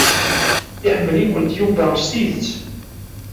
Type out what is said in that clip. Iḥemmel-ikent Yuba s tidet.